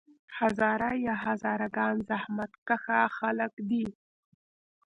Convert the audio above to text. هزاره یا هزاره ګان زحمت کښه خلک دي.